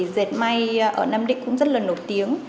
dệt may ở nam định cũng rất là nổi tiếng